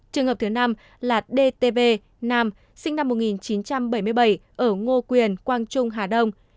trường hợp thứ năm là dtv nam sinh năm một nghìn chín trăm bảy mươi bảy ở ngô quyền quang trung hà đông